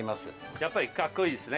やっぱりカッコいいですね